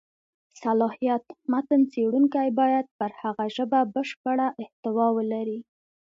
صلاحیت: متن څېړونکی باید پر هغه ژبه بشېړه احتوا ولري.